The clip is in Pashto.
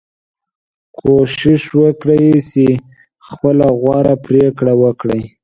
کوشش وکړئ چې خپله غوره پریکړه وکړئ.